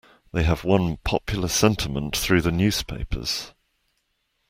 They have won popular sentiment through the newspapers.